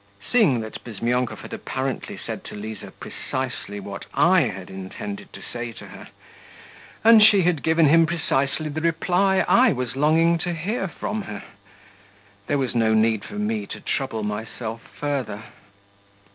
Seeing that Bizmyonkov had apparently said to Liza precisely what I had intended to say to her, and she had given him precisely the reply I was longing to hear from her, there was no need for me to trouble myself further.